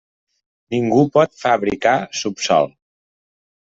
Ningú pot «fabricar» subsòl.